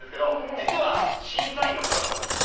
実は審査員の方々です。